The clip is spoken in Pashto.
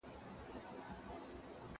زه به د ښوونځي کتابونه مطالعه کړي وي،